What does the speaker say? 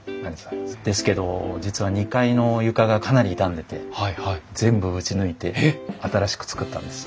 ですけど実は２階の床がかなり傷んでて全部打ち抜いて新しく作ったんです。